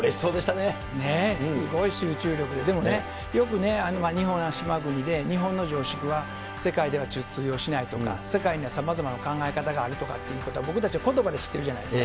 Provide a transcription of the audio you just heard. ねぇ、すごい集中力で、でもね、よくね、日本は島国で、日本の常識は世界では通用しないとか、世界にはさまざまな考え方があるとかっていうことは、僕たちはことばで知ってるじゃないですか。